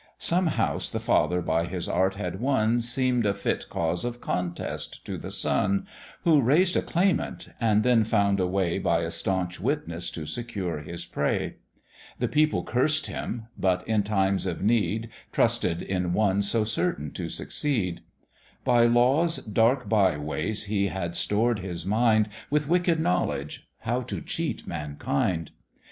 Some house the father by his art had won Seem'd a fit cause of contest to the son, Who raised a claimant, and then found a way By a staunch witness to secure his prey. The people cursed him, but in times of need Trusted in one so certain to succeed: By Law's dark by ways he had stored his mind With wicked knowledge, how to cheat mankind.